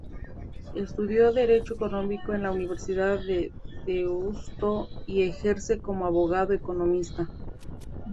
Estudió Derecho económico en la Universidad de Deusto y ejerce como abogado economista.